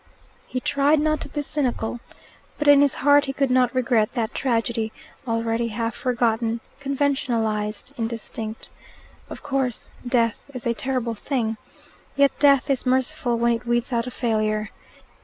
He tried not to be cynical. But in his heart he could not regret that tragedy, already half forgotten, conventionalized, indistinct. Of course death is a terrible thing. Yet death is merciful when it weeds out a failure.